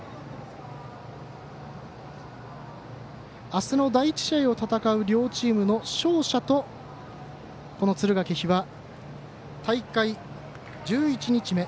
明日の第１試合を戦う両チームの勝者とこの敦賀気比は大会１１日目。